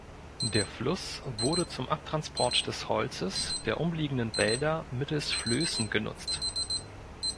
Der Fluss wurde zum Abtransport des Holzes der umliegenden Wälder mittels Flößen genutzt.